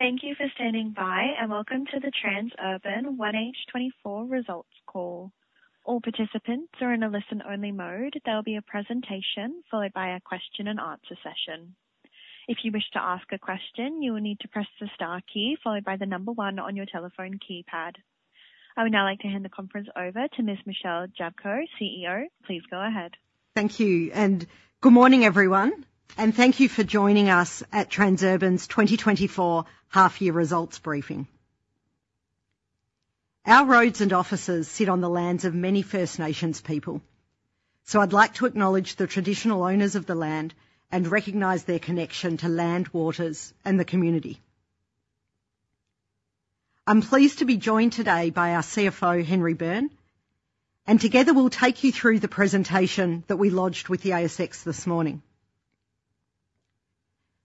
Thank you for standing by, and welcome to the Transurban 1H 2024 results call. All participants are in a listen-only mode. There will be a presentation, followed by a question and answer session. If you wish to ask a question, you will need to press the star key followed by the number one on your telephone keypad. I would now like to hand the conference over to Ms. Michelle Jablko, CEO. Please go ahead. Thank you, and good morning, everyone, and thank you for joining us at Transurban's 2024 half year results briefing. Our roads and offices sit on the lands of many First Nations people, so I'd like to acknowledge the Traditional Owners of the land and recognize their connection to land, waters, and the community. I'm pleased to be joined today by our CFO, Henry Byrne, and together we'll take you through the presentation that we lodged with the ASX this morning.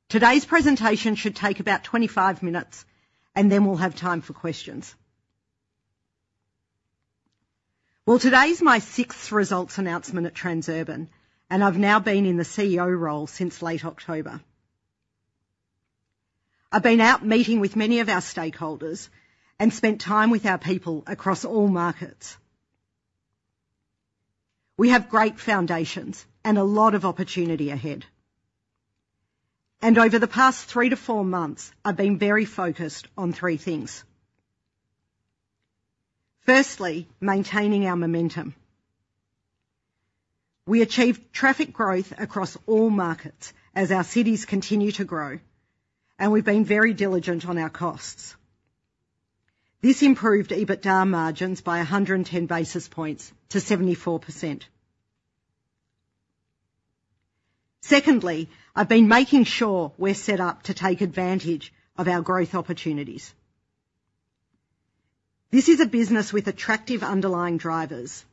Today's presentation should take about 25 minutes, and then we'll have time for questions. Well, today is my sixth results announcement at Transurban, and I've now been in the CEO role since late October. I've been out meeting with many of our stakeholders and spent time with our people across all markets. We have great foundations and a lot of opportunity ahead. Over the past three to four months, I've been very focused on three things: firstly, maintaining our momentum. We achieved traffic growth across all markets as our cities continue to grow, and we've been very diligent on our costs. This improved EBITDA margins by 110 basis points to 74%. Secondly, I've been making sure we're set up to take advantage of our growth opportunities. This is a business with attractive underlying drivers.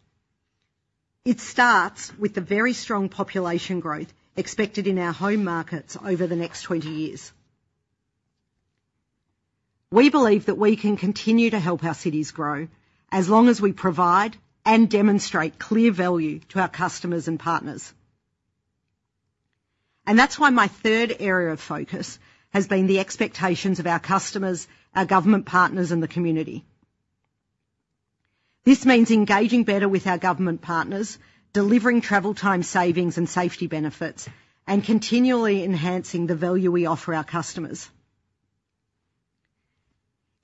It starts with the very strong population growth expected in our home markets over the next 20 years. We believe that we can continue to help our cities grow, as long as we provide and demonstrate clear value to our customers and partners. And that's why my third area of focus has been the expectations of our customers, our government partners, and the community. This means engaging better with our government partners, delivering travel time savings and safety benefits, and continually enhancing the value we offer our customers.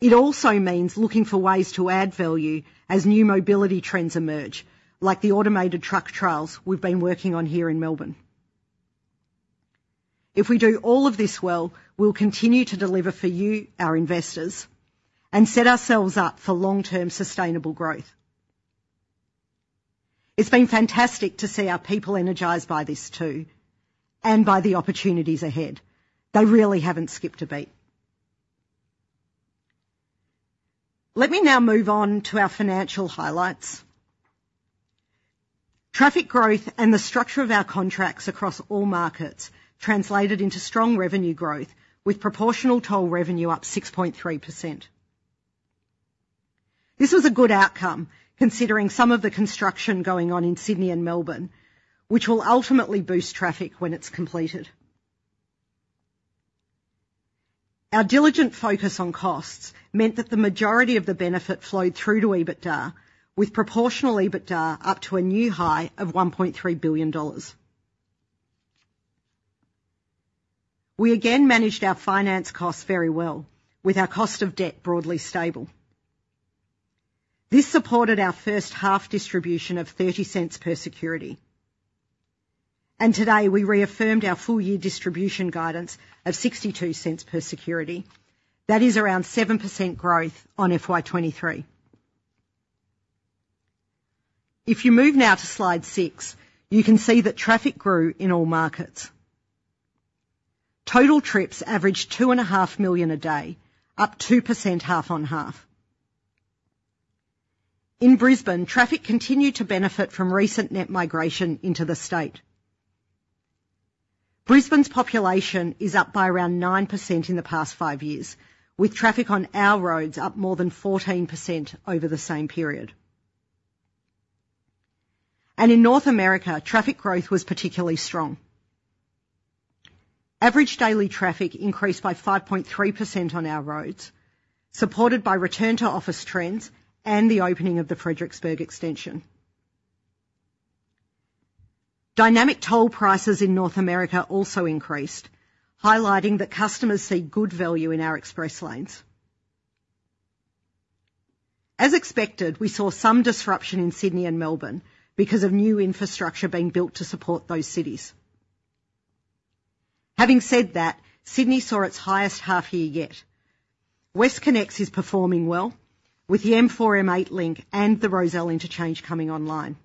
It also means looking for ways to add value as new mobility trends emerge, like the automated truck trials we've been working on here in Melbourne. If we do all of this well, we'll continue to deliver for you, our investors, and set ourselves up for long-term sustainable growth. It's been fantastic to see our people energized by this too, and by the opportunities ahead. They really haven't skipped a beat. Let me now move on to our financial highlights. Traffic growth and the structure of our contracts across all markets translated into strong revenue growth, with proportional toll revenue up 6.3%. This was a good outcome, considering some of the construction going on in Sydney and Melbourne, which will ultimately boost traffic when it's completed. Our diligent focus on costs meant that the majority of the benefit flowed through to EBITDA, with proportional EBITDA up to a new high of 1.3 billion dollars. We again managed our finance costs very well, with our cost of debt broadly stable. This supported our first half distribution of 0.30 per security, and today we reaffirmed our full-year distribution guidance of 0.62 per security. That is around 7% growth on FY 2023. If you move now to slide 6, you can see that traffic grew in all markets. Total trips averaged 2.5 million a day, up 2% half-on-half. In Brisbane, traffic continued to benefit from recent net migration into the state. Brisbane's population is up by around 9% in the past 5 years, with traffic on our roads up more than 14% over the same period. In North America, traffic growth was particularly strong. Average daily traffic increased by 5.3% on our roads, supported by return to office trends and the opening of the Fredericksburg Extension. Dynamic toll prices in North America also increased, highlighting that customers see good value in our express lanes. As expected, we saw some disruption in Sydney and Melbourne because of new infrastructure being built to support those cities. Having said that, Sydney saw its highest half-year yet. WestConnex is performing well, with the M4-M8 Link and the Rozelle Interchange coming online.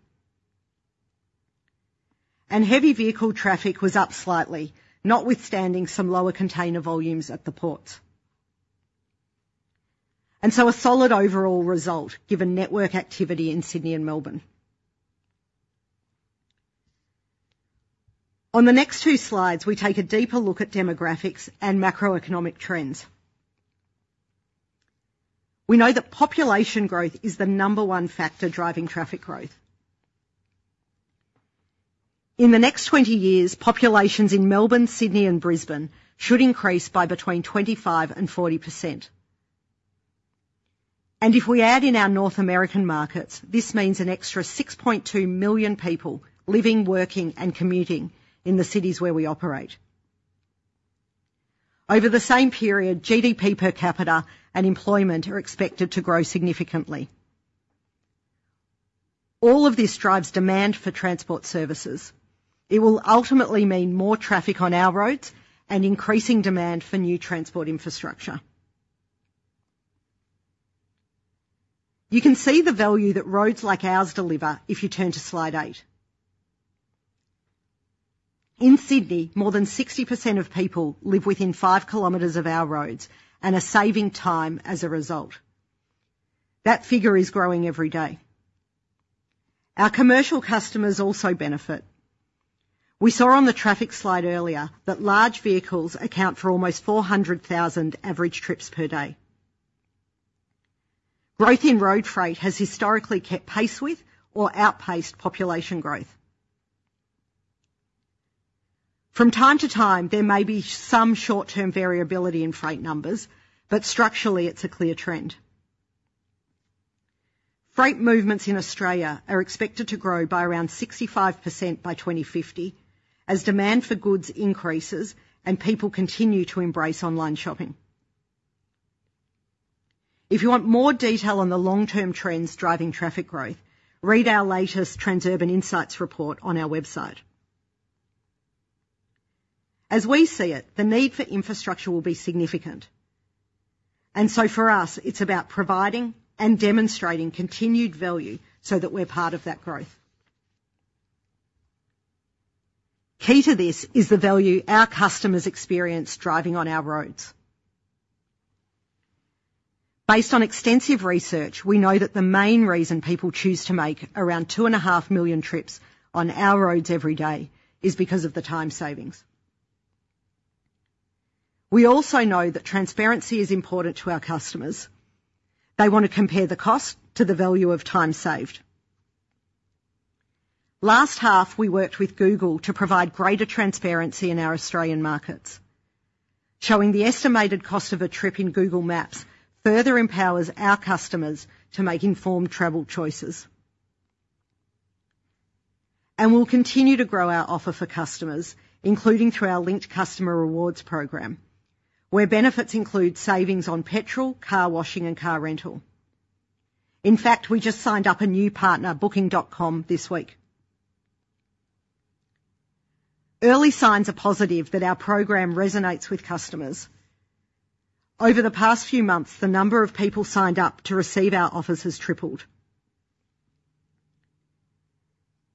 Heavy vehicle traffic was up slightly, notwithstanding some lower container volumes at the ports. A solid overall result, given network activity in Sydney and Melbourne. On the next two slides, we take a deeper look at demographics and macroeconomic trends. We know that population growth is the number one factor driving traffic growth. In the next 20 years, populations in Melbourne, Sydney, and Brisbane should increase by between 25% and 40%. And if we add in our North American markets, this means an extra 6.2 million people living, working, and commuting in the cities where we operate. Over the same period, GDP per capita and employment are expected to grow significantly. All of this drives demand for transport services. It will ultimately mean more traffic on our roads and increasing demand for new transport infrastructure. You can see the value that roads like ours deliver if you turn to slide 8. In Sydney, more than 60% of people live within 5 km of our roads and are saving time as a result. That figure is growing every day. Our commercial customers also benefit. We saw on the traffic slide earlier that large vehicles account for almost 400,000 average trips per day. Growth in road freight has historically kept pace with or outpaced population growth. From time to time, there may be some short-term variability in freight numbers, but structurally it's a clear trend. Freight movements in Australia are expected to grow by around 65% by 2050, as demand for goods increases and people continue to embrace online shopping. If you want more detail on the long-term trends driving traffic growth, read our latest Transurban Insights report on our website. As we see it, the need for infrastructure will be significant, and so for us, it's about providing and demonstrating continued value so that we're part of that growth. Key to this is the value our customers experience driving on our roads. Based on extensive research, we know that the main reason people choose to make around 2.5 million trips on our roads every day is because of the time savings. We also know that transparency is important to our customers. They want to compare the cost to the value of time saved. Last half, we worked with Google to provide greater transparency in our Australian markets. Showing the estimated cost of a trip in Google Maps further empowers our customers to make informed travel choices. And we'll continue to grow our offer for customers, including through our Linkt customer rewards program, where benefits include savings on petrol, car washing, and car rental. In fact, we just signed up a new partner, Booking.com, this week. Early signs are positive that our program resonates with customers. Over the past few months, the number of people signed up to receive our offers has tripled.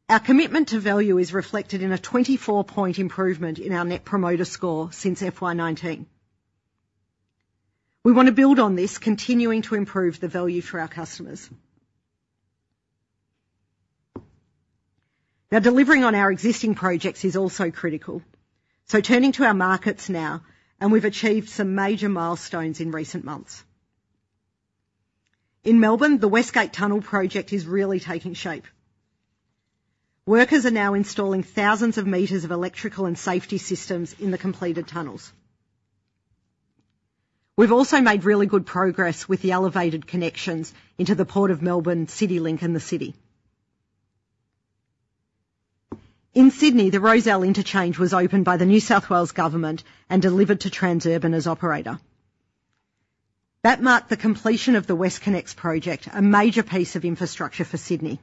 Our commitment to value is reflected in a 24-point improvement in our Net Promoter Score since FY 2019. We want to build on this, continuing to improve the value for our customers. Now, delivering on our existing projects is also critical. So turning to our markets now, and we've achieved some major milestones in recent months. In Melbourne, the West Gate Tunnel Project is really taking shape. Workers are now installing thousands of meters of electrical and safety systems in the completed tunnels. We've also made really good progress with the elevated connections into the Port of Melbourne, CityLink and the city. In Sydney, the Rozelle Interchange was opened by the New South Wales Government and delivered to Transurban as operator. That marked the completion of the WestConnex project, a major piece of infrastructure for Sydney.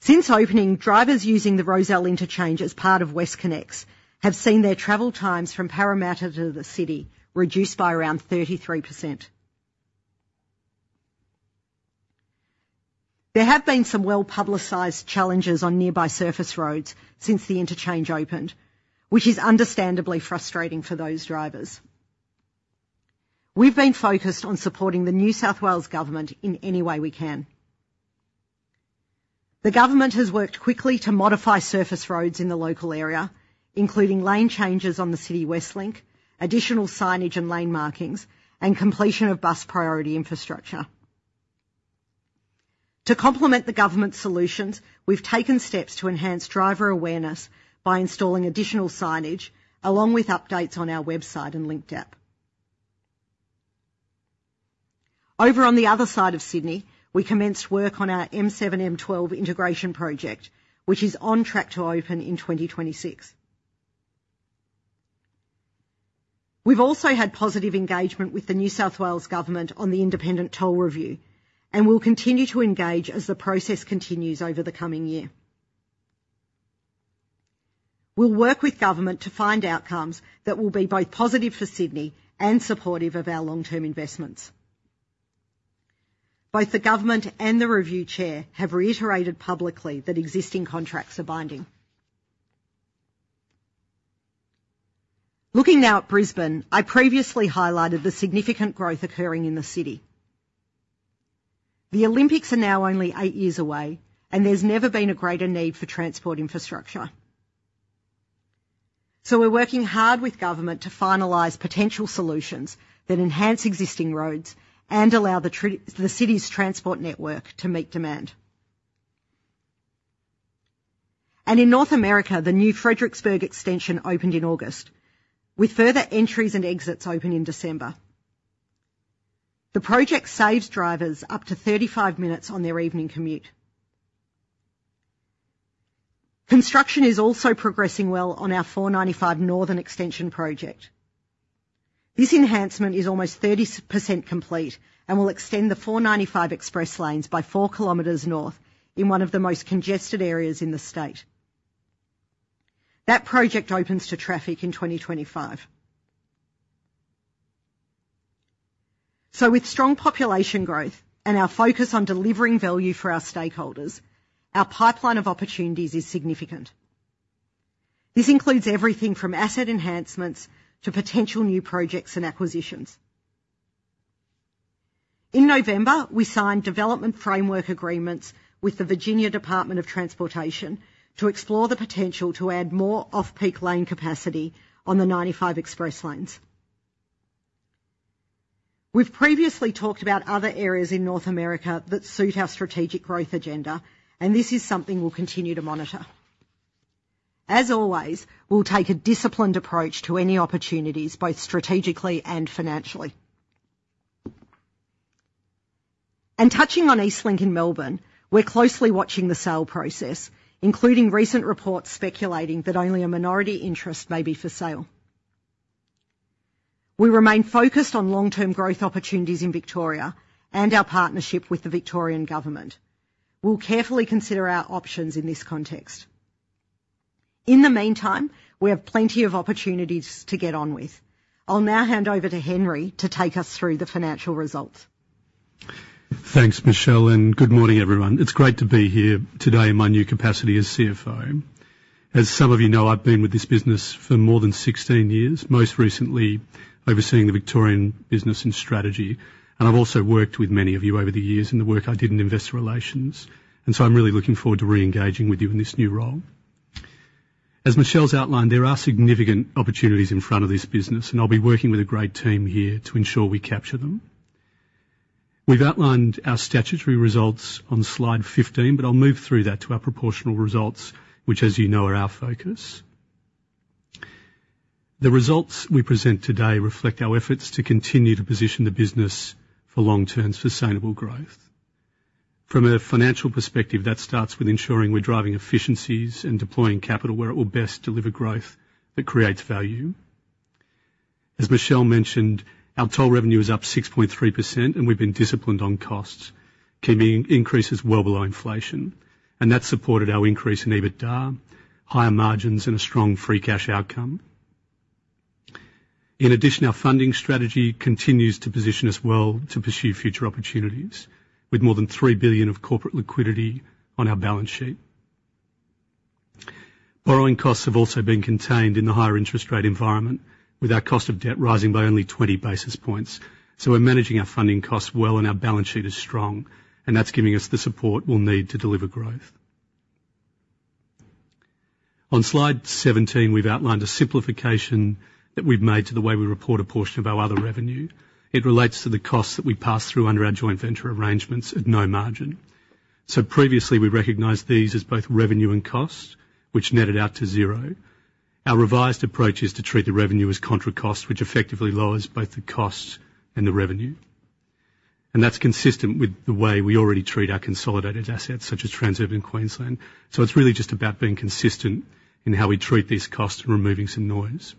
Since opening, drivers using the Rozelle Interchange as part of WestConnex have seen their travel times from Parramatta to the city reduced by around 33%. There have been some well-publicized challenges on nearby surface roads since the interchange opened, which is understandably frustrating for those drivers. We've been focused on supporting the New South Wales Government in any way we can. The government has worked quickly to modify surface roads in the local area, including lane changes on the CityWest Link, additional signage and lane markings, and completion of bus priority infrastructure. To complement the government's solutions, we've taken steps to enhance driver awareness by installing additional signage, along with updates on our website and Linkt app. Over on the other side of Sydney, we commenced work on our M7-M12 Integration Project, which is on track to open in 2026. We've also had positive engagement with the New South Wales Government on the Independent Toll Review, and we'll continue to engage as the process continues over the coming year. We'll work with government to find outcomes that will be both positive for Sydney and supportive of our long-term investments. Both the government and the review chair have reiterated publicly that existing contracts are binding. Looking now at Brisbane, I previously highlighted the significant growth occurring in the city. The Olympics are now only eight years away, and there's never been a greater need for transport infrastructure. So we're working hard with government to finalize potential solutions that enhance existing roads and allow the the city's transport network to meet demand. In North America, the new Fredericksburg Extension opened in August, with further entries and exits opening in December. The project saves drivers up to 35 minutes on their evening commute. Construction is also progressing well on our 495 Northern Extension Project. This enhancement is almost 30% complete and will extend the 495 Express Lanes by 4 km north in one of the most congested areas in the state. That project opens to traffic in 2025. With strong population growth and our focus on delivering value for our stakeholders, our pipeline of opportunities is significant. This includes everything from asset enhancements to potential new projects and acquisitions. In November, we signed development framework agreements with the Virginia Department of Transportation to explore the potential to add more off-peak lane capacity on the 95 Express Lanes. We've previously talked about other areas in North America that suit our strategic growth agenda, and this is something we'll continue to monitor. As always, we'll take a disciplined approach to any opportunities, both strategically and financially. Touching on EastLink in Melbourne, we're closely watching the sale process, including recent reports speculating that only a minority interest may be for sale. We remain focused on long-term growth opportunities in Victoria and our partnership with the Victorian Government. We'll carefully consider our options in this context. In the meantime, we have plenty of opportunities to get on with. I'll now hand over to Henry to take us through the financial results. Thanks, Michelle, and good morning, everyone. It's great to be here today in my new capacity as CFO. As some of you know, I've been with this business for more than 16 years, most recently overseeing the Victorian business and strategy, and I've also worked with many of you over the years in the work I did in investor relations, and so I'm really looking forward to re-engaging with you in this new role. As Michelle's outlined, there are significant opportunities in front of this business, and I'll be working with a great team here to ensure we capture them. We've outlined our statutory results on slide 15, but I'll move through that to our proportional results, which, as you know, are our focus. The results we present today reflect our efforts to continue to position the business for long-term, sustainable growth. From a financial perspective, that starts with ensuring we're driving efficiencies and deploying capital where it will best deliver growth that creates value. As Michelle mentioned, our toll revenue is up 6.3%, and we've been disciplined on costs, keeping increases well below inflation, and that supported our increase in EBITDA, higher margins, and a strong free cash outcome. In addition, our funding strategy continues to position us well to pursue future opportunities with more than 3 billion of corporate liquidity on our balance sheet. Borrowing costs have also been contained in the higher interest rate environment, with our cost of debt rising by only 20 basis points. So we're managing our funding costs well, and our balance sheet is strong, and that's giving us the support we'll need to deliver growth. On slide 17, we've outlined a simplification that we've made to the way we report a portion of our other revenue. It relates to the costs that we pass through under our joint venture arrangements at no margin. So previously, we recognized these as both revenue and cost, which netted out to zero. Our revised approach is to treat the revenue as contra cost, which effectively lowers both the cost and the revenue, and that's consistent with the way we already treat our consolidated assets, such as Transurban Queensland. So it's really just about being consistent in how we treat these costs and removing some noise.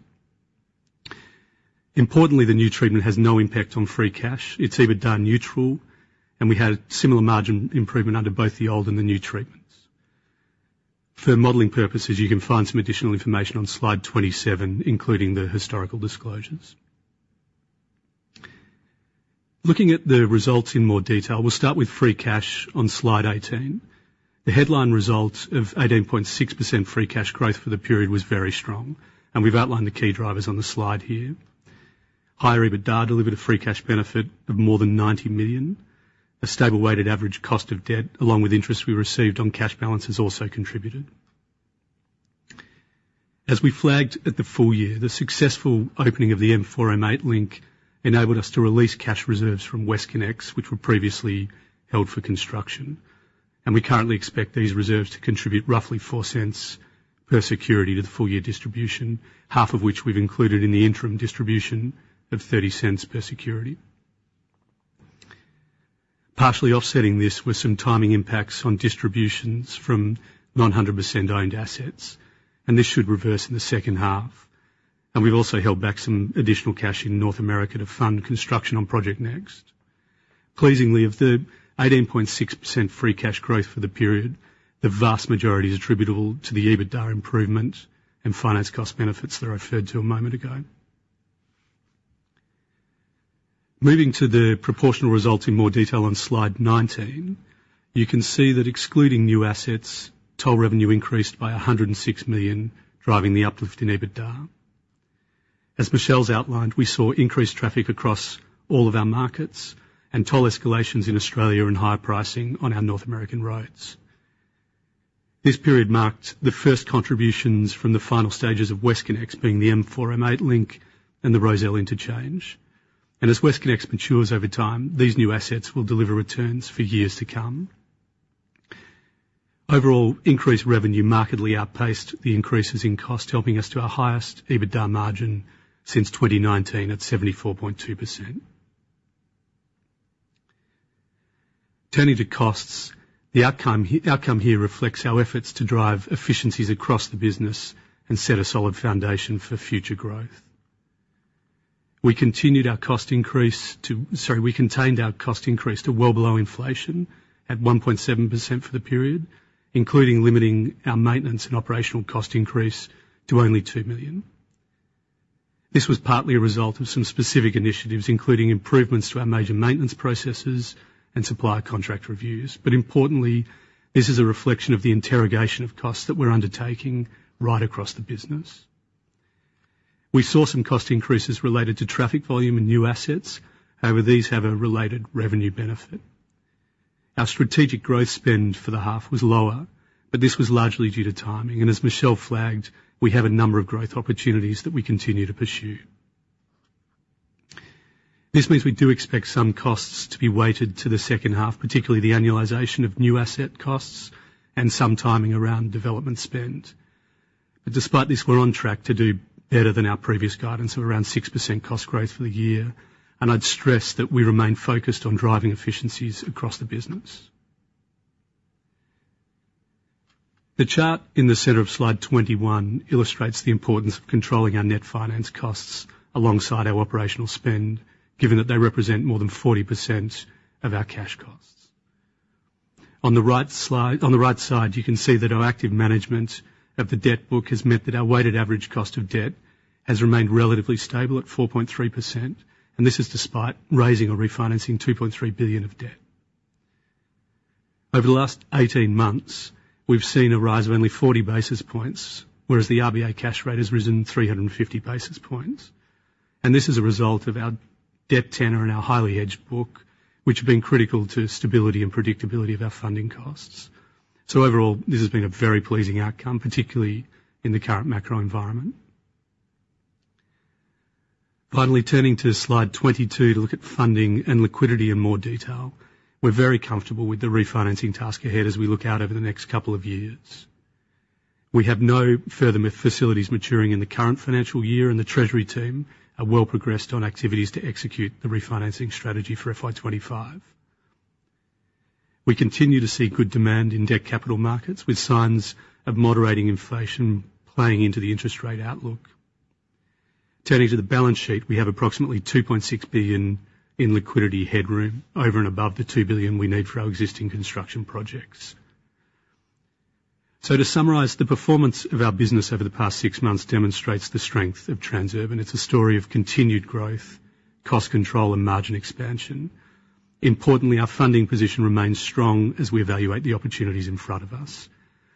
Importantly, the new treatment has no impact on free cash. It's EBITDA neutral, and we had similar margin improvement under both the old and the new treatments. For modeling purposes, you can find some additional information on slide 27, including the historical disclosures. Looking at the results in more detail, we'll start with Free Cash on slide 18. The headline results of 18.6% Free Cash growth for the period was very strong, and we've outlined the key drivers on the slide here. Higher EBITDA delivered a Free Cash benefit of more than 90 million. A stable weighted average cost of debt, along with interest we received on cash balances, also contributed. As we flagged at the full year, the successful opening of the M4-M8 Link enabled us to release cash reserves from WestConnex, which were previously held for construction, and we currently expect these reserves to contribute roughly 0.04 per security to the full year distribution, half of which we've included in the interim distribution of 0.30 per security. Partially offsetting this were some timing impacts on distributions from non-100%-owned assets, and this should reverse in the second half. We've also held back some additional cash in North America to fund construction on Project NEXT. Pleasingly, of the 18.6% free cash growth for the period, the vast majority is attributable to the EBITDA improvement and finance cost benefits that I referred to a moment ago. Moving to the proportional results in more detail on slide 19, you can see that excluding new assets, toll revenue increased by 106 million, driving the uplift in EBITDA. As Michelle's outlined, we saw increased traffic across all of our markets and toll escalations in Australia and higher pricing on our North American roads. This period marked the first contributions from the final stages of WestConnex, being the M4-M8 Link and the Rozelle Interchange. As WestConnex matures over time, these new assets will deliver returns for years to come. Overall, increased revenue markedly outpaced the increases in cost, helping us to our highest EBITDA margin since 2019, at 74.2%. Turning to costs, the outcome here reflects our efforts to drive efficiencies across the business and set a solid foundation for future growth. We continued our cost increase, sorry, we contained our cost increase to well below inflation at 1.7% for the period, including limiting our maintenance and operational cost increase to only 2 million. This was partly a result of some specific initiatives, including improvements to our major maintenance processes and supplier contract reviews. Importantly, this is a reflection of the interrogation of costs that we're undertaking right across the business. We saw some cost increases related to traffic volume and new assets. However, these have a related revenue benefit. Our strategic growth spend for the half was lower, but this was largely due to timing, and as Michelle flagged, we have a number of growth opportunities that we continue to pursue. This means we do expect some costs to be weighted to the second half, particularly the annualization of new asset costs and some timing around development spend. But despite this, we're on track to do better than our previous guidance of around 6% cost growth for the year, and I'd stress that we remain focused on driving efficiencies across the business. The chart in the center of slide 21 illustrates the importance of controlling our net finance costs alongside our operational spend, given that they represent more than 40% of our cash costs. On the right side, you can see that our active management of the debt book has meant that our weighted average cost of debt has remained relatively stable at 4.3%, and this is despite raising or refinancing 2.3 billion of debt. Over the last 18 months, we've seen a rise of only 40 basis points, whereas the RBA cash rate has risen 350 basis points, and this is a result of our debt tenor and our highly hedged book, which have been critical to stability and predictability of our funding costs. So overall, this has been a very pleasing outcome, particularly in the current macro environment. Finally, turning to slide 22 to look at funding and liquidity in more detail. We're very comfortable with the refinancing task ahead as we look out over the next couple of years. We have no further facilities maturing in the current financial year, and the treasury team are well progressed on activities to execute the refinancing strategy for FY 2025. We continue to see good demand in debt capital markets, with signs of moderating inflation playing into the interest rate outlook. Turning to the balance sheet, we have approximately 2.6 billion in liquidity headroom over and above the 2 billion we need for our existing construction projects. So to summarize, the performance of our business over the past six months demonstrates the strength of Transurban. It's a story of continued growth, cost control, and margin expansion. Importantly, our funding position remains strong as we evaluate the opportunities in front of us.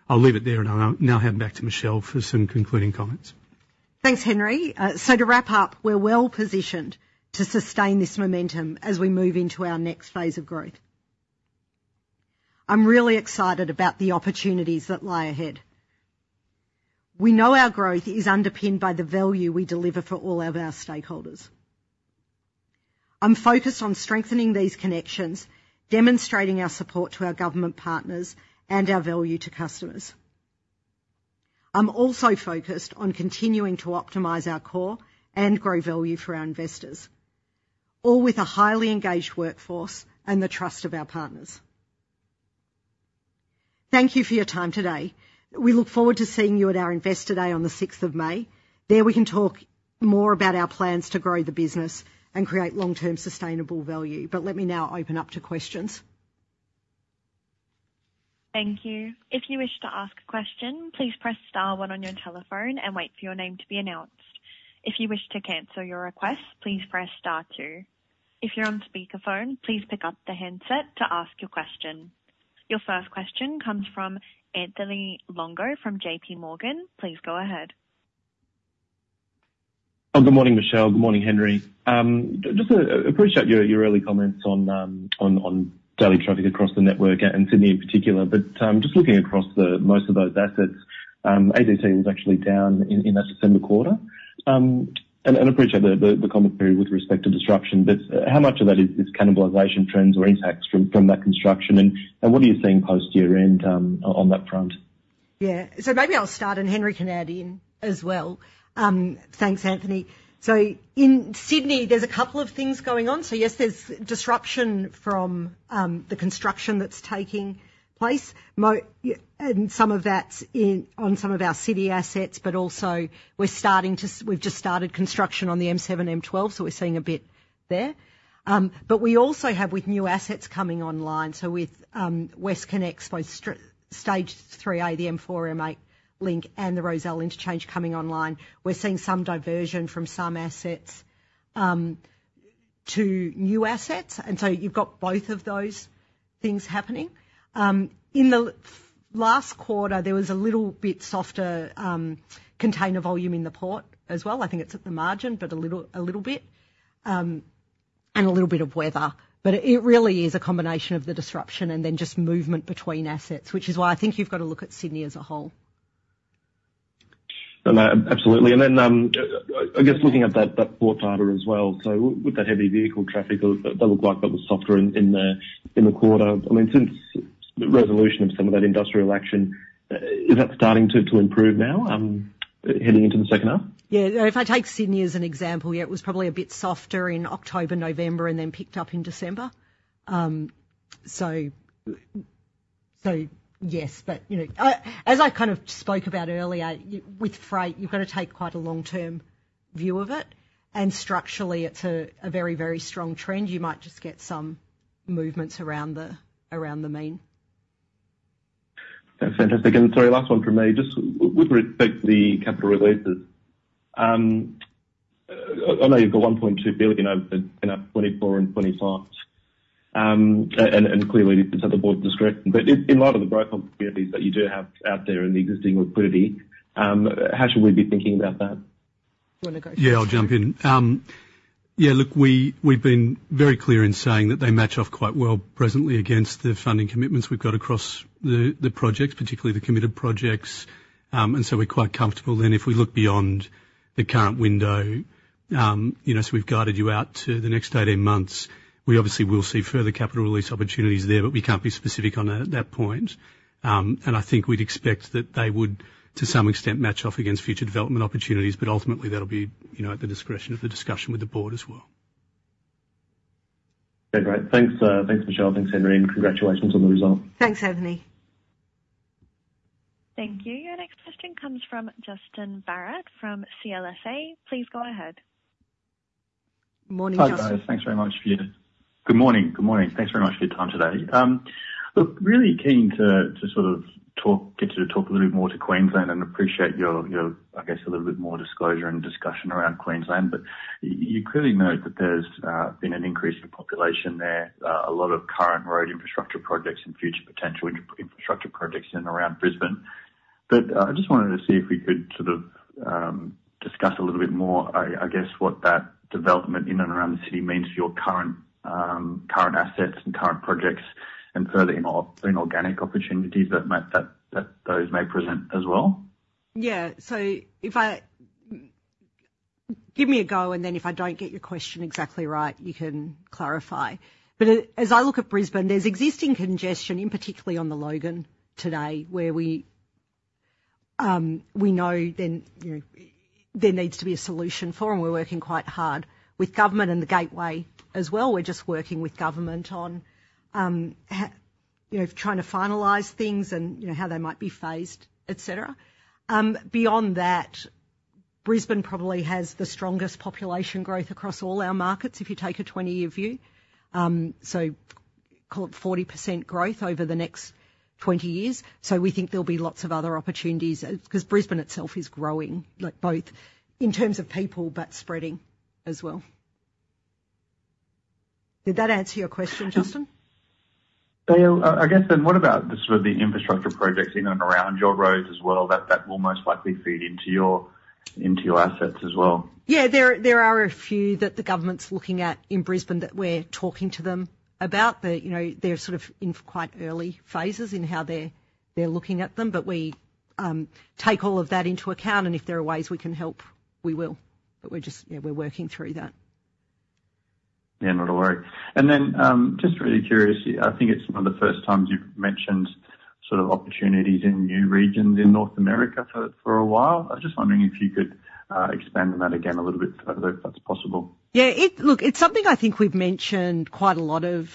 I'll leave it there, and I'll now hand back to Michelle for some concluding comments. Thanks, Henry. To wrap up, we're well positioned to sustain this momentum as we move into our next phase of growth. I'm really excited about the opportunities that lie ahead. We know our growth is underpinned by the value we deliver for all of our stakeholders. I'm focused on strengthening these connections, demonstrating our support to our government partners and our value to customers. I'm also focused on continuing to optimize our core and grow value for our investors, all with a highly engaged workforce and the trust of our partners. Thank you for your time today. We look forward to seeing you at our Investor Day on the May 6th. There, we can talk more about our plans to grow the business and create long-term, sustainable value. Let me now open up to questions. Thank you. If you wish to ask a question, please press star one on your telephone and wait for your name to be announced. If you wish to cancel your request, please press star two. If you're on speakerphone, please pick up the handset to ask your question. Your first question comes from Anthony Longo from JPMorgan. Please go ahead. Good morning, Michelle. Good morning, Henry. Just appreciate your early comments on daily traffic across the network and Sydney in particular. But just looking across the most of those assets, ADT was actually down in that December quarter. And appreciate the commentary with respect to disruption, but how much of that is cannibalization trends or impacts from that construction? And what are you seeing post year-end on that front? Yeah. So maybe I'll start, and Henry can add in as well. Thanks, Anthony. So in Sydney, there's a couple of things going on. So yes, there's disruption from the construction that's taking place, more and some of that's in, on some of our city assets, but also we've just started construction on the M7, M12, so we're seeing a bit there. But we also have with new assets coming online, so with WestConnex, by Stage 3A, the M4, M8 link and the Rozelle Interchange coming online, we're seeing some diversion from some assets to new assets, and so you've got both of those things happening. In the last quarter, there was a little bit softer container volume in the port as well. I think it's at the margin, but a little, a little bit, and a little bit of weather. But it really is a combination of the disruption and then just movement between assets, which is why I think you've got to look at Sydney as a whole. No, absolutely. And then, I guess, looking at that, that port driver as well, so with that heavy vehicle traffic, that looked like that was softer in the quarter. I mean, since the resolution of some of that industrial action, is that starting to improve now, heading into the second half? Yeah, if I take Sydney as an example, yeah, it was probably a bit softer in October, November, and then picked up in December. So, yes, but, you know, I, as I kind of spoke about earlier, with freight, you've got to take quite a long-term view of it, and structurally, it's a very, very strong trend. You might just get some movements around the main. That's fantastic. And sorry, last one from me. Just with respect to the capital releases, I know you've got 1.2 billion over in 2024 and 2025, and clearly it's at the board's discretion, but in light of the growth opportunities that you do have out there in the existing liquidity, how should we be thinking about that? You want to go? Yeah, I'll jump in. Yeah, look, we, we've been very clear in saying that they match off quite well presently against the funding commitments we've got across the, the projects, particularly the committed projects. And so we're quite comfortable then if we look beyond the current window, you know, so we've guided you out to the next 18 months. We obviously will see further capital release opportunities there, but we can't be specific on that at that point. And I think we'd expect that they would, to some extent, match off against future development opportunities, but ultimately that'll be, you know, at the discretion of the discussion with the board as well. Okay, great. Thanks, thanks, Michelle. Thanks, Anthony, and congratulations on the result. Thanks, Anthony. Thank you. Your next question comes from Justin Barratt from CLSA. Please go ahead. Morning, Justin. Hi, guys. Thanks very much for your... Good morning. Good morning. Thanks very much for your time today. Look, really keen to sort of talk, get you to talk a little bit more to Queensland and appreciate your, your, I guess, a little bit more disclosure and discussion around Queensland. But you clearly note that there's been an increase in population there, a lot of current road infrastructure projects and future potential infrastructure projects in and around Brisbane. But I just wanted to see if we could sort of discuss a little bit more, I guess, what that development in and around the city means for your current, current assets and current projects, and further inorganic opportunities that might, that those may present as well. Yeah. So give me a go, and then if I don't get your question exactly right, you can clarify. But as I look at Brisbane, there's existing congestion, in particular on the Logan today, where we, we know then, you know, there needs to be a solution for them. We're working quite hard with government and the Gateway as well. We're just working with government on, you know, trying to finalize things and, you know, how they might be phased, et cetera. Beyond that, Brisbane probably has the strongest population growth across all our markets, if you take a 20-year view. So call it 40% growth over the next 20 years. So we think there'll be lots of other opportunities, because Brisbane itself is growing, like both in terms of people, but spreading as well. Did that answer your question, Justin? Yeah. I guess then, what about the sort of the infrastructure projects in and around your roads as well, that will most likely feed into your, into your assets as well? Yeah, there, there are a few that the government's looking at in Brisbane that we're talking to them about. But, you know, they're sort of in quite early phases in how they're, they're looking at them, but we take all of that into account, and if there are ways we can help, we will. But we're just, yeah, we're working through that. Yeah, not a worry. And then, just really curious, I think it's one of the first times you've mentioned sort of opportunities in new regions in North America for a while. I was just wondering if you could expand on that again a little bit, if that's possible. Yeah, look, it's something I think we've mentioned quite a lot of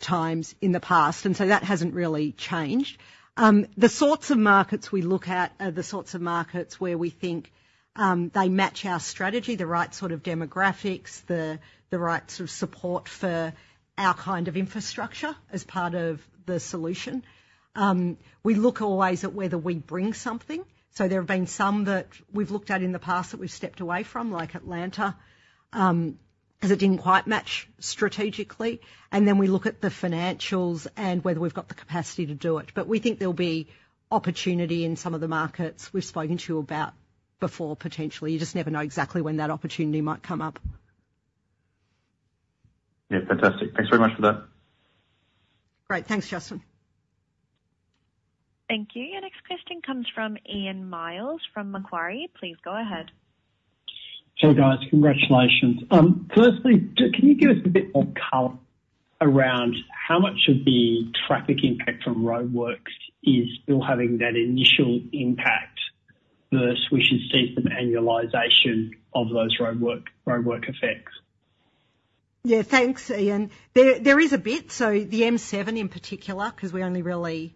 times in the past, and so that hasn't really changed. The sorts of markets we look at are the sorts of markets where we think they match our strategy, the right sort of demographics, the right sort of support for our kind of infrastructure as part of the solution. We look always at whether we bring something. So there have been some that we've looked at in the past that we've stepped away from, like Atlanta, because it didn't quite match strategically. And then we look at the financials and whether we've got the capacity to do it. But we think there'll be opportunity in some of the markets we've spoken to you about before, potentially. You just never know exactly when that opportunity might come up. Yeah, fantastic. Thanks very much for that. Great. Thanks, Justin. Thank you. Your next question comes from Ian Myles from Macquarie. Please go ahead. Hey, guys, congratulations. First, can you give us a bit more color around how much of the traffic impact from roadworks is still having that initial impact, versus we should see some annualization of those roadwork effects? Yeah, thanks, Ian. There is a bit. So the M7, in particular, because we only really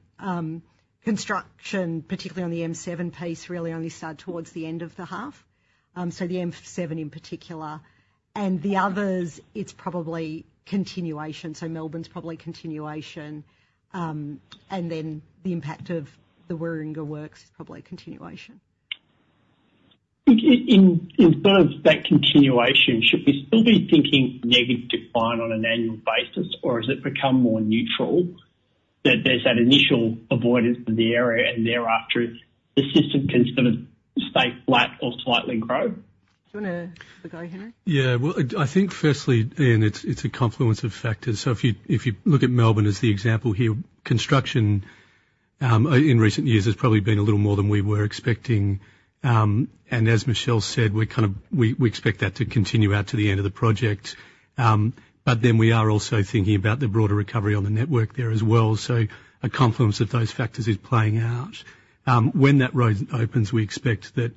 construction, particularly on the M7 piece, really only started towards the end of the half. So the M7 in particular. And the others, it's probably continuation, so Melbourne's probably continuation. And then the impact of the Warringah Works is probably a continuation. In terms of that continuation, should we still be thinking negative decline on an annual basis, or has it become more neutral, that there's that initial avoidance of the area and thereafter, the system can sort of stay flat or slightly grow? Do you want to go, Henry? Yeah. Well, I think firstly, Ian, it's a confluence of factors. So if you look at Melbourne as the example here, construction in recent years has probably been a little more than we were expecting. And as Michelle said, we kind of expect that to continue out to the end of the project. But then we are also thinking about the broader recovery on the network there as well. So a confluence of those factors is playing out. When that road opens, we expect that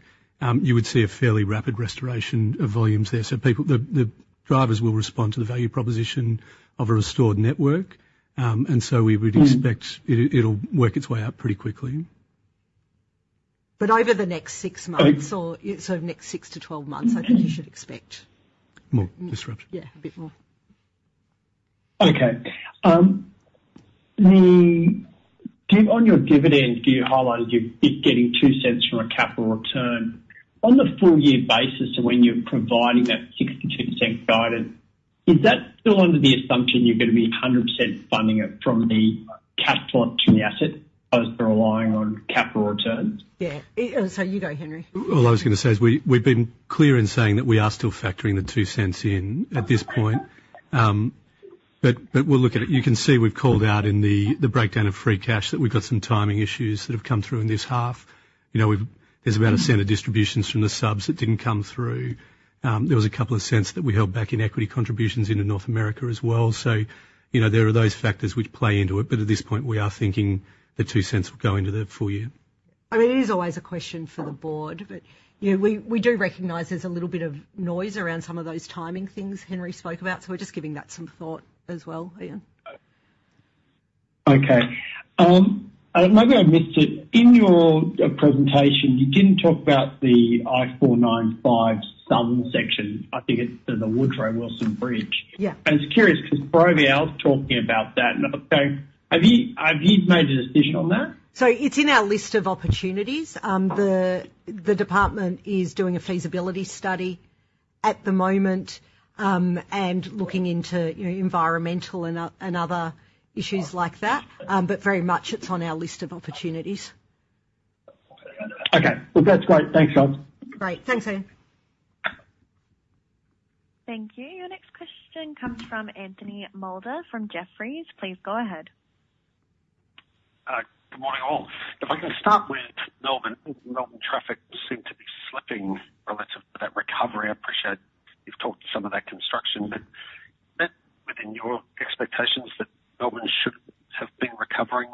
you would see a fairly rapid restoration of volumes there. So the drivers will respond to the value proposition of a restored network. And so we would expect it, it'll work its way out pretty quickly. Over the next six months or so, next six to 12 months, I think you should expect- More disruption. Yeah, a bit more. Okay. On your dividend, you highlighted you're getting 0.02 from a capital return. On the full year basis of when you're providing that 0.62 guidance, is that still under the assumption you're going to be 100% funding it from the cash flow to the asset, as for relying on capital returns? Yeah. So you go, Henry. All I was going to say is we, we've been clear in saying that we are still factoring the 0.02 in at this point. But we'll look at it. You can see we've called out in the breakdown of Free Cash, that we've got some timing issues that have come through in this half. You know, there's about a set of distributions from the subs that didn't come through. There was AUD 0.02 that we held back in equity contributions into North America as well. So, you know, there are those factors which play into it, but at this point, we are thinking the 0.02 will go into the full year. I mean, it is always a question for the board, but, you know, we do recognize there's a little bit of noise around some of those timing things Henry spoke about, so we're just giving that some thought as well, Ian. Okay. Maybe I missed it. In your presentation, you didn't talk about the I-495 southern section. I think it's the Woodrow Wilson Bridge. Yeah. I was curious because Ferrovial is talking about that. So have you, have you made a decision on that? It's in our list of opportunities. The department is doing a feasibility study at the moment, and looking into, you know, environmental and other issues like that. But very much it's on our list of opportunities. Okay, well, that's great. Thanks, guys. Great. Thanks, Ian. Thank you. Your next question comes from Anthony Moulder from Jefferies. Please go ahead. Good morning, all. If I can start with Melbourne. Melbourne traffic seemed to be slipping relative to that recovery. I appreciate you've talked to some of that construction, but is that within your expectations, that Melbourne should have been recovering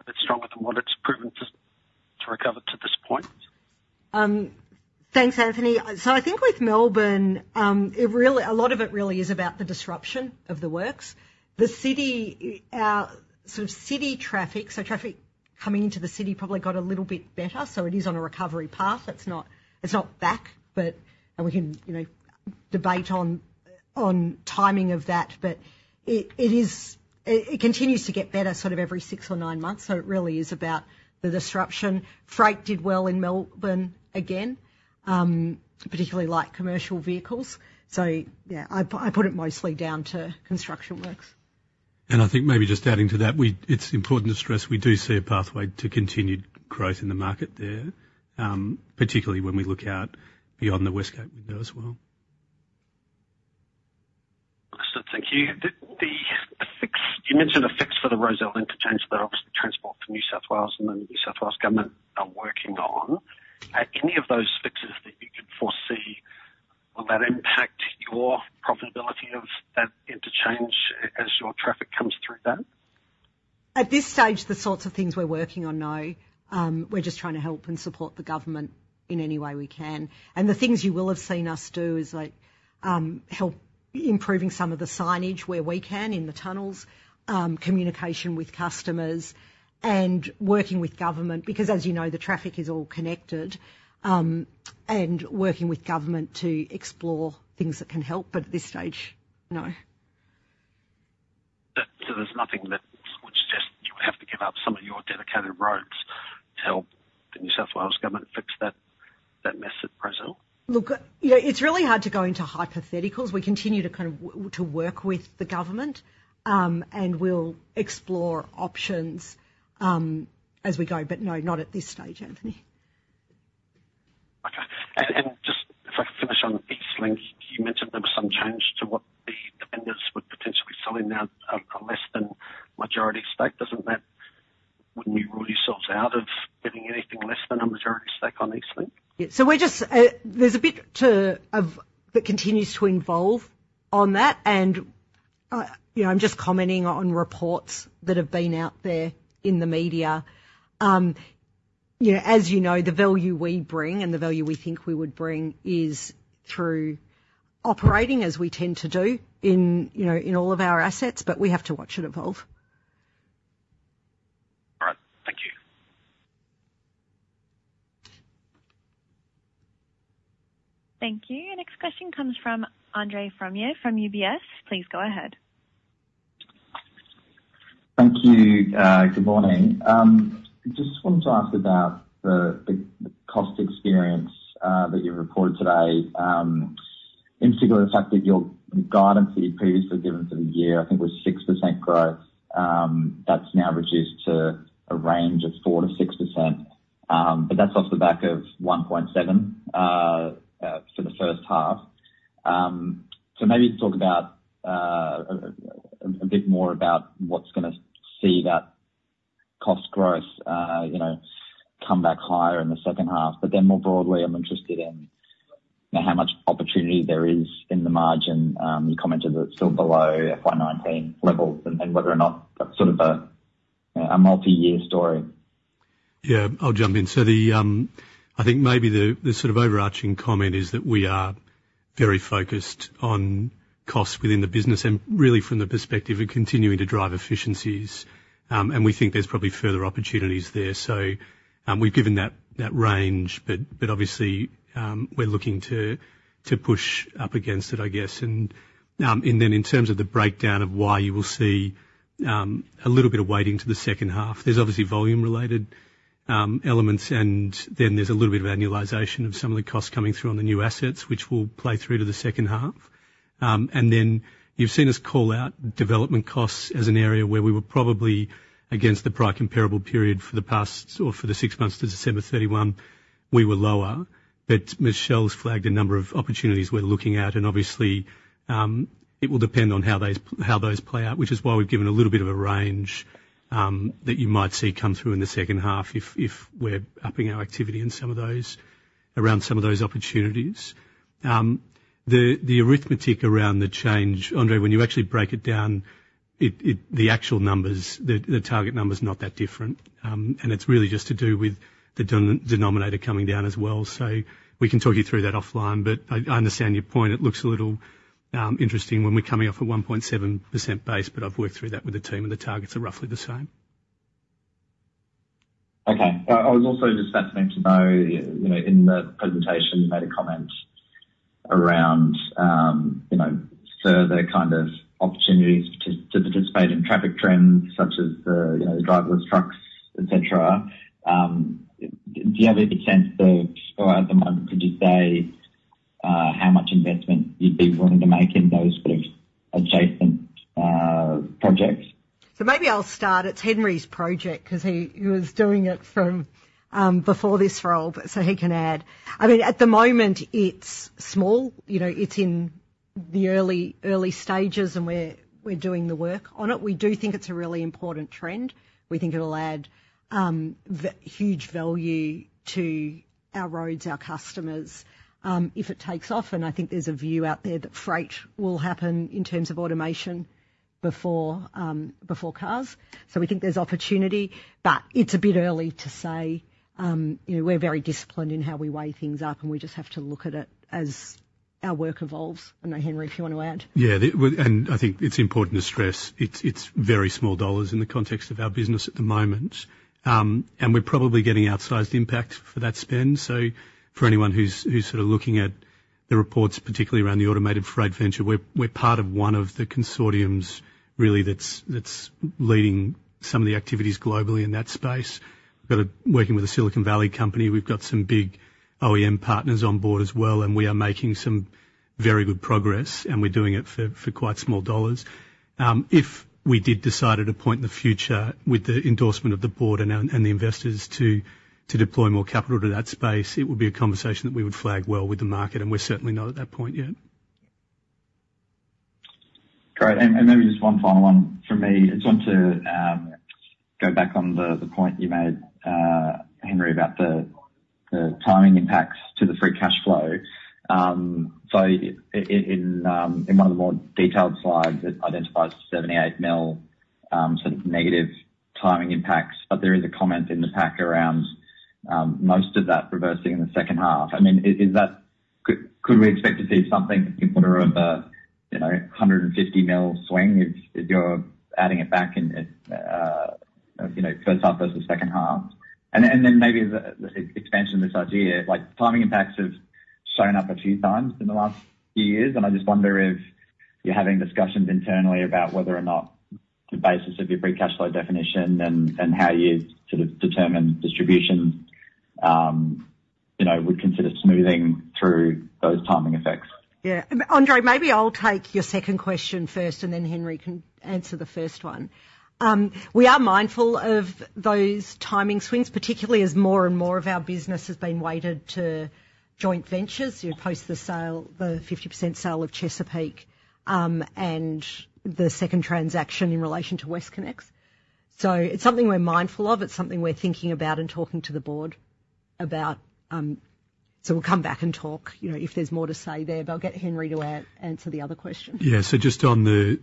a bit stronger than what it's proven to recover to this point? Thanks, Anthony. So I think with Melbourne, it really—a lot of it really is about the disruption of the works. The city, sort of city traffic, so traffic coming into the city probably got a little bit better. So it is on a recovery path. It's not, it's not back, but... And we can, you know, debate on, on timing of that. But it, it is—it continues to get better sort of every six or nine months. So it really is about the disruption. Freight did well in Melbourne again, particularly light commercial vehicles. So yeah, I, I put it mostly down to construction works. I think maybe just adding to that, it's important to stress, we do see a pathway to continued growth in the market there, particularly when we look out beyond the West Gate as well. Awesome. Thank you. The fix you mentioned for the Rozelle Interchange that obviously Transport for New South Wales and the New South Wales Government are working on. Are any of those fixes that you can foresee, will that impact your profitability of that interchange as your traffic comes through that? At this stage, the sorts of things we're working on, no. We're just trying to help and support the government in any way we can. And the things you will have seen us do is like, help improving some of the signage where we can in the tunnels, communication with customers and working with government, because as you know, the traffic is all connected, and working with government to explore things that can help. But at this stage, no. So there's nothing that would suggest you would have to give up some of your dedicated roads to help the New South Wales Government fix that mess at Rozelle? Look, you know, it's really hard to go into hypotheticals. We continue to kind of, to work with the government, and we'll explore options, as we go. But no, not at this stage, Anthony. Okay. And just if I could finish on EastLink, you mentioned there was some change to what the vendors would potentially be selling, now a less than majority stake. Doesn't that—wouldn't you rule yourselves out of getting anything less than a majority stake on EastLink? Yeah. So we're just, there's a bit of that continues to evolve on that, and, you know, I'm just commenting on reports that have been out there in the media. You know, as you know, the value we bring and the value we think we would bring is through operating, as we tend to do in, you know, in all of our assets, but we have to watch it evolve. All right. Thank you. Thank you. Our next question comes from Andre Fromyhr from UBS. Please go ahead. ...Thank you. Good morning. Just wanted to ask about the cost experience that you reported today. In particular, the fact that your guidance that you'd previously given for the year, I think, was 6% growth. That's now reduced to a range of 4%-6%, but that's off the back of 1.7% for the first half. So maybe talk about a bit more about what's gonna see that cost growth, you know, come back higher in the second half. But then more broadly, I'm interested in, you know, how much opportunity there is in the margin. You commented that it's still below FY 2019 levels and whether or not that's sort of a multi-year story. Yeah, I'll jump in. So, I think maybe the sort of overarching comment is that we are very focused on costs within the business and really from the perspective of continuing to drive efficiencies. And we think there's probably further opportunities there. So, we've given that range, but obviously, we're looking to push up against it, I guess. And then in terms of the breakdown of why you will see a little bit of weighting to the second half, there's obviously volume-related elements, and then there's a little bit of annualization of some of the costs coming through on the new assets, which will play through to the second half. And then you've seen us call out development costs as an area where we were probably against the prior comparable period for the past, or for the six months to December 31, we were lower. But Michelle's flagged a number of opportunities we're looking at, and obviously, it will depend on how those, how those play out, which is why we've given a little bit of a range that you might see come through in the second half if, if we're upping our activity in some of those, around some of those opportunities. The arithmetic around the change, Andre, when you actually break it down, it, the actual numbers, the target number is not that different, and it's really just to do with the denominator coming down as well. So we can talk you through that offline, but I understand your point. It looks a little interesting when we're coming off a 1.7% base, but I've worked through that with the team, and the targets are roughly the same. Okay. I was also just fascinating to know, you know, in the presentation, you made a comment around, you know, further kind of opportunities to participate in traffic trends such as the, you know, the driverless trucks, et cetera. Do you have any sense, though, or at the moment, could you say, how much investment you'd be willing to make in those sort of adjacent projects? So maybe I'll start. It's Henry's project because he, he was doing it from before this role, but so he can add. I mean, at the moment, it's small, you know, it's in the early, early stages, and we're, we're doing the work on it. We do think it's a really important trend. We think it'll add huge value to our roads, our customers, if it takes off, and I think there's a view out there that freight will happen in terms of automation before before cars. So we think there's opportunity, but it's a bit early to say. You know, we're very disciplined in how we weigh things up, and we just have to look at it as our work evolves. I don't know, Henry, if you want to add? Yeah, And I think it's important to stress it's, it's very small dollars in the context of our business at the moment. And we're probably getting outsized impact for that spend. So for anyone who's sort of looking at the reports, particularly around the automated freight venture, we're part of one of the consortiums really that's leading some of the activities globally in that space. We're working with a Silicon Valley company. We've got some big OEM partners on board as well, and we are making some very good progress, and we're doing it for quite small dollars. If we did decide at a point in the future, with the endorsement of the board and the investors to deploy more capital to that space, it would be a conversation that we would flag well with the market, and we're certainly not at that point yet. Great. Maybe just one final one from me. I just want to go back on the point you made, Henry, about the timing impacts to the free cash flow. So in one of the more detailed slides, it identifies 78 million sort of negative timing impacts, but there is a comment in the pack around most of that reversing in the second half. I mean, is that... Could we expect to see something in order of, you know, 150 million swing if you're adding it back in, you know, first half versus second half? Then maybe the expansion of this idea, like, timing impacts have shown up a few times in the last few years, and I just wonder if you're having discussions internally about whether or not the basis of your free cash flow definition and how you sort of determine distributions, you know, would consider smoothing through those timing effects. Yeah. Andre, maybe I'll take your second question first, and then Henry can answer the first one. We are mindful of those timing swings, particularly as more and more of our business has been weighted to joint ventures. You know, post the sale, the 50% sale of Chesapeake, and the second transaction in relation to WestConnex. So it's something we're mindful of. It's something we're thinking about and talking to the board about, so we'll come back and talk, you know, if there's more to say there, but I'll get Henry to answer the other question. Yeah. So just on the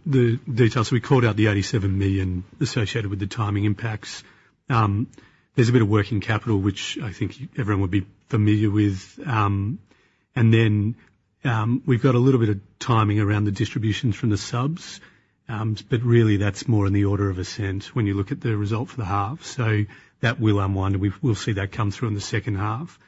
details, so we called out the 87 million associated with the timing impacts. There's a bit of working capital, which I think everyone would be familiar with. And then, we've got a little bit of timing around the distributions from the subs, but really, that's more in the order of AUD 0.01 when you look at the result for the half. So that will unwind, and we'll see that come through in the second half.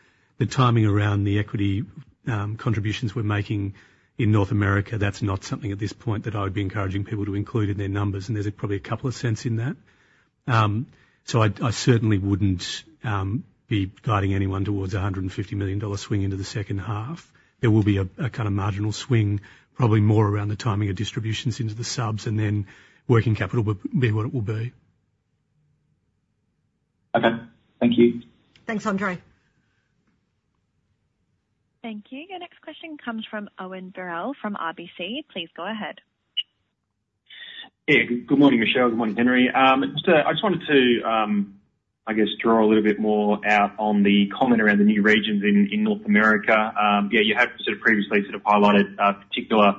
The timing around the equity contributions we're making in North America, that's not something at this point that I would be encouraging people to include in their numbers, and there's probably AUD 0.02 in that. So I certainly wouldn't be guiding anyone towards an 150 million-dollar swing into the second half. There will be a kind of marginal swing, probably more around the timing of distributions into the subs and then working capital will be what it will be. Okay, thank you. Thanks, Andre. Thank you. Our next question comes from Owen Birrell, from RBC. Please go ahead. Yeah, good morning, Michelle. Good morning, Henry. So I just wanted to, I guess, draw a little bit more out on the comment around the new regions in North America. Yeah, you have sort of previously sort of highlighted particular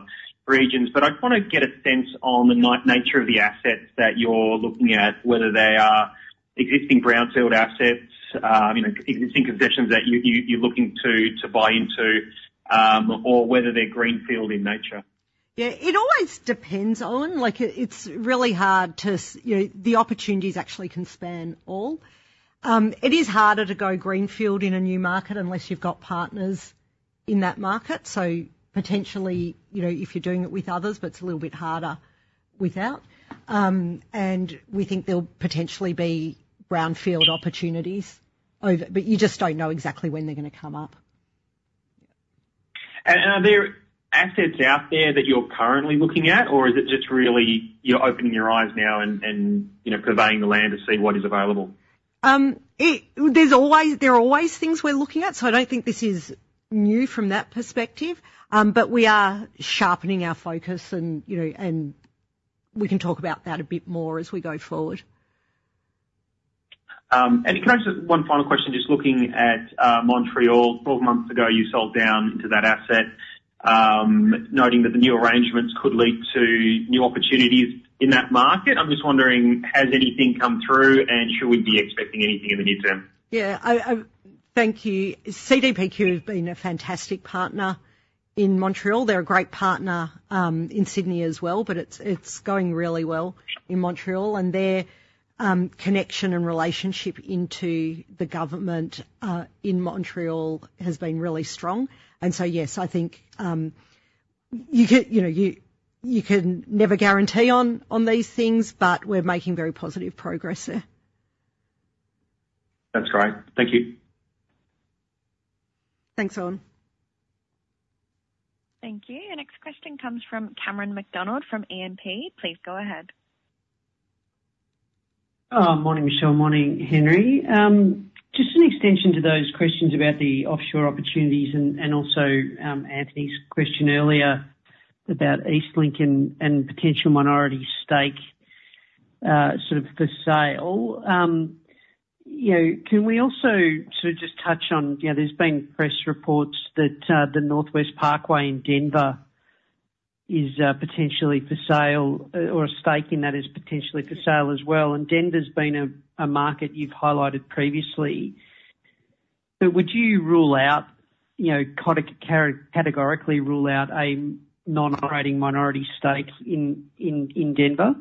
regions, but I just want to get a sense on the nature of the assets that you're looking at, whether they are existing brownfield assets, you know, existing concessions that you, you, you're looking to, to buy into, or whether they're greenfield in nature. Yeah, it always depends, Owen. Like, it, it's really hard to say you know, the opportunities actually can span all. It is harder to go greenfield in a new market unless you've got partners in that market. So potentially, you know, if you're doing it with others, but it's a little bit harder without. And we think there'll potentially be brownfield opportunities over... But you just don't know exactly when they're gonna come up. Are there assets out there that you're currently looking at, or is it just really, you're opening your eyes now and, you know, surveying the land to see what is available? There are always things we're looking at, so I don't think this is new from that perspective. But we are sharpening our focus and, you know, and we can talk about that a bit more as we go forward. Can I just—one final question, just looking at Montreal. 12 months ago, you sold down to that asset, noting that the new arrangements could lead to new opportunities in that market. I'm just wondering, has anything come through, and should we be expecting anything in the near term? Yeah, thank you. CDPQ has been a fantastic partner in Montreal. They're a great partner in Sydney as well, but it's going really well in Montreal, and their connection and relationship into the government in Montreal has been really strong. And so, yes, I think you can, you know, you can never guarantee on these things, but we're making very positive progress there. That's great. Thank you. Thanks, Owen. Thank you. Our next question comes from Cameron McDonald, from E&P. Please go ahead. Morning, Michelle. Morning, Henry. Just an extension to those questions about the offshore opportunities and also Anthony's question earlier about EastLink and potential minority stake sort of for sale. You know, can we also sort of just touch on, you know, there's been press reports that the Northwest Parkway in Denver is potentially for sale, or a stake in that is potentially for sale as well, and Denver's been a market you've highlighted previously. But would you rule out, you know, categorically rule out a non-operating minority stake in Denver?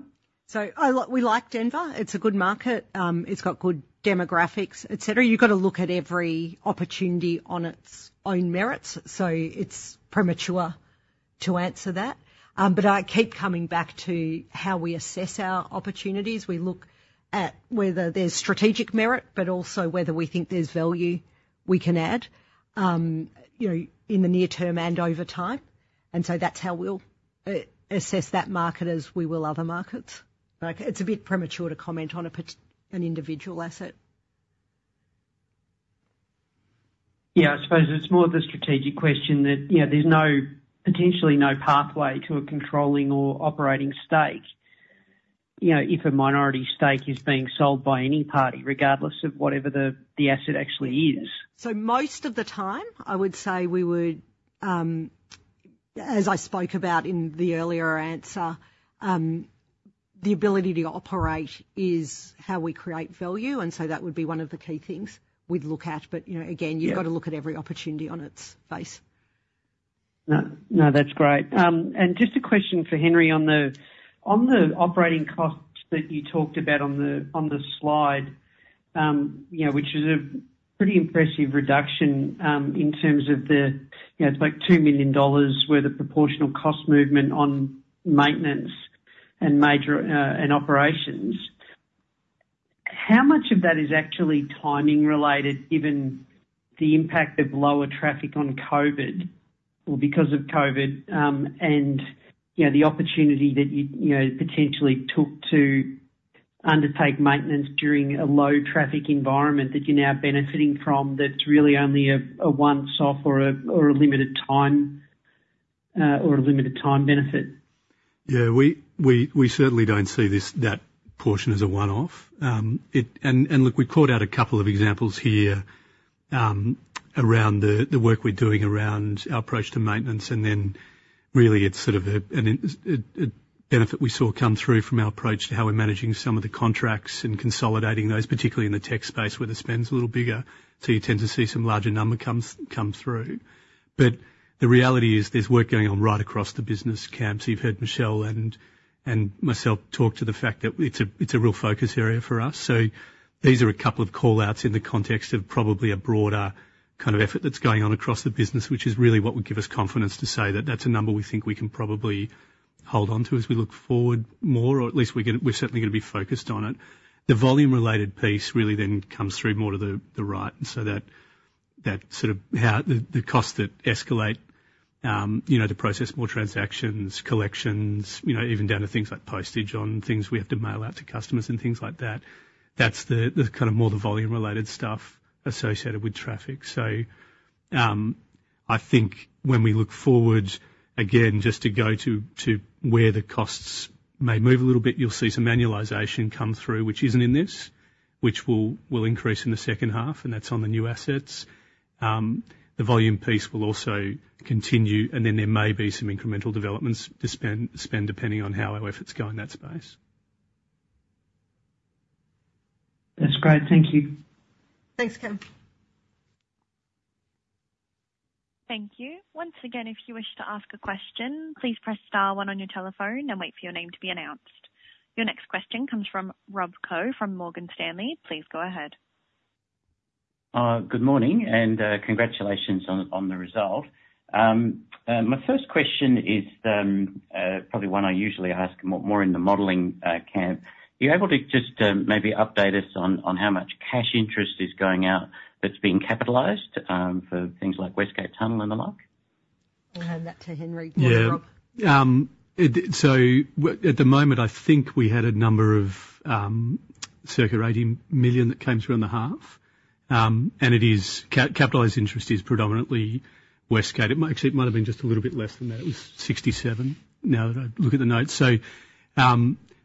So we like Denver. It's a good market. It's got good demographics, et cetera. You've got to look at every opportunity on its own merits, so it's premature to answer that. But I keep coming back to how we assess our opportunities. We look at whether there's strategic merit, but also whether we think there's value we can add, you know, in the near term and over time. And so that's how we'll assess that market as we will other markets. But it's a bit premature to comment on an individual asset. Yeah, I suppose it's more of a strategic question that, you know, there's no potentially no pathway to a controlling or operating stake, you know, if a minority stake is being sold by any party, regardless of whatever the asset actually is. So most of the time, I would say we would, as I spoke about in the earlier answer, the ability to operate is how we create value, and so that would be one of the key things we'd look at. But, you know, again- Yeah... you've got to look at every opportunity on its face. No, no, that's great. And just a question for Henry on the operating costs that you talked about on the slide, you know, which is a pretty impressive reduction in terms of the, you know, it's like 2 million dollars where the proportional cost movement on maintenance and major and operations. How much of that is actually timing related, given the impact of lower traffic on COVID or because of COVID, and you know, the opportunity that you, you know, potentially took to undertake maintenance during a low traffic environment that you're now benefiting from, that's really only a one-off or a limited time benefit? Yeah, we certainly don't see this, that portion as a one-off. And look, we called out a couple of examples here, around the work we're doing around our approach to maintenance, and then really, it's sort of a benefit we saw come through from our approach to how we're managing some of the contracts and consolidating those, particularly in the tech space, where the spend's a little bigger. So you tend to see some larger number come through. But the reality is there's work going on right across the business, Cam. So you've heard Michelle and myself talk to the fact that it's a real focus area for us. So these are a couple of call-outs in the context of probably a broader... Kind of effort that's going on across the business, which is really what would give us confidence to say that that's a number we think we can probably hold on to as we look forward more, or at least we're certainly gonna be focused on it. The volume-related piece really then comes through more to the right, so that sort of how the costs that escalate, you know, to process more transactions, collections, you know, even down to things like postage on things we have to mail out to customers and things like that. That's the kind of more the volume-related stuff associated with traffic. So, I think when we look forward, again, just to go to, to where the costs may move a little bit, you'll see some annualization come through, which isn't in this, which will, will increase in the second half, and that's on the new assets. The volume piece will also continue, and then there may be some incremental developments to spend, spend, depending on how our efforts go in that space. That's great. Thank you. Thanks, Cam. Thank you. Once again, if you wish to ask a question, please press star one on your telephone and wait for your name to be announced. Your next question comes from Rob Koh from Morgan Stanley. Please go ahead. Good morning, and congratulations on the result. My first question is probably one I usually ask more in the modeling camp. Are you able to just maybe update us on how much cash interest is going out that's been capitalized for things like West Gate Tunnel and the like? I'll hand that to Henry. Yeah. Go on, Henry. So at the moment, I think we had a number of circa 80 million that came through in the half. And it is capitalized interest is predominantly West Gate. It might, actually it might have been just a little bit less than that. It was 67 million, now that I look at the notes. So,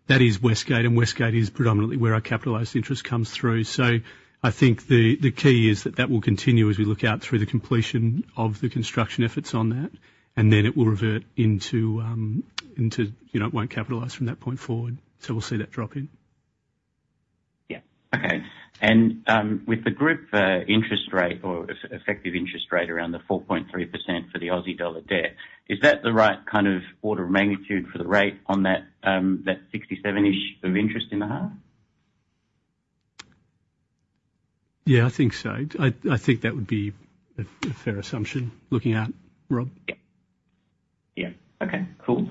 that is West Gate, and West Gate is predominantly where our capitalized interest comes through. So I think the, the key is that that will continue as we look out through the completion of the construction efforts on that, and then it will revert into, into, you know, it won't capitalize from that point forward. So we'll see that drop in. Yeah. Okay. And with the group interest rate or effective interest rate around 4.3% for the Aussie dollar debt, is that the right kind of order of magnitude for the rate on that that 67-ish of interest in the half? Yeah, I think so. I think that would be a fair assumption looking at Rob. Yep. Yeah. Okay, cool.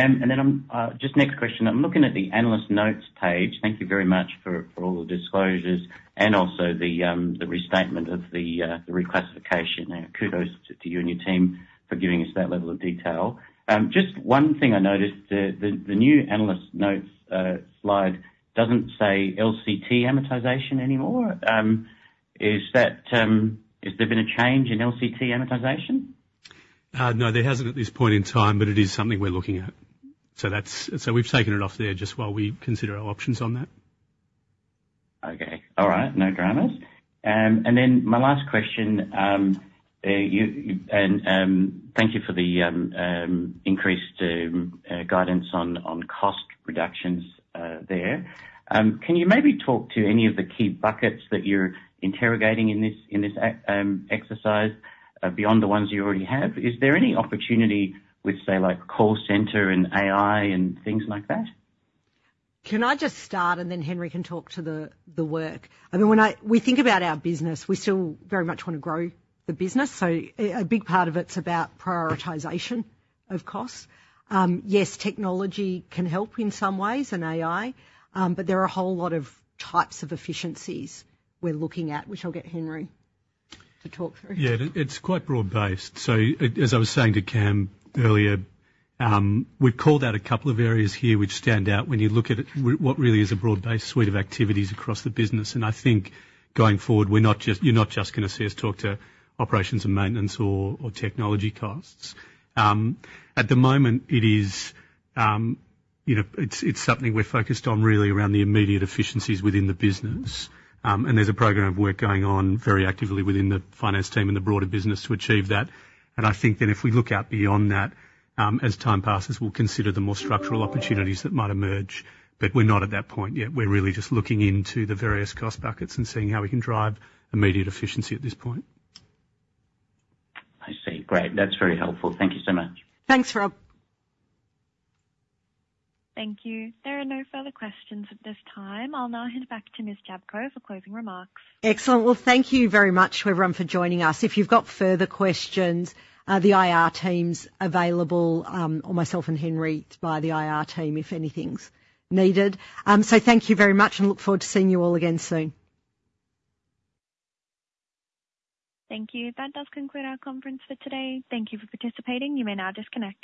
And then, just next question. I'm looking at the analyst notes page. Thank you very much for all the disclosures and also the restatement of the reclassification. Kudos to you and your team for giving us that level of detail. Just one thing I noticed, the new analyst notes slide doesn't say LCT amortization anymore. Is that... Has there been a change in LCT amortization? No, there hasn't at this point in time, but it is something we're looking at. So we've taken it off there just while we consider our options on that. Okay. All right. No dramas. My last question, thank you for the increased guidance on cost reductions there. Can you maybe talk to any of the key buckets that you're interrogating in this exercise, beyond the ones you already have? Is there any opportunity with, say, like, call center and AI and things like that? Can I just start and then Henry can talk to the work? I mean, when I—we think about our business, we still very much want to grow the business, so a big part of it is about prioritization of costs. Yes, technology can help in some ways and AI, but there are a whole lot of types of efficiencies we're looking at, which I'll get Henry to talk through. Yeah, it's quite broad-based. So as I was saying to Cam earlier, we've called out a couple of areas here which stand out when you look at it, what really is a broad-based suite of activities across the business. And I think going forward, we're not just—you're not just gonna see us talk to operations and maintenance or technology costs. At the moment, it is, you know, it's something we're focused on really around the immediate efficiencies within the business. And there's a program of work going on very actively within the finance team and the broader business to achieve that. And I think then if we look out beyond that, as time passes, we'll consider the more structural opportunities that might emerge. But we're not at that point yet. We're really just looking into the various cost buckets and seeing how we can drive immediate efficiency at this point. I see. Great. That's very helpful. Thank you so much. Thanks, Rob. Thank you. There are no further questions at this time. I'll now hand it back to Ms. Jablko for closing remarks. Excellent. Well, thank you very much, everyone, for joining us. If you've got further questions, the IR team's available, or myself and Henry by the IR team, if anything's needed. So thank you very much, and look forward to seeing you all again soon. Thank you. That does conclude our conference for today. Thank you for participating. You may now disconnect.